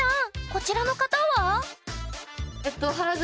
こちらの方は？